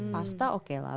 pasta oke lah